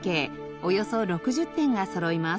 およそ６０点がそろいます。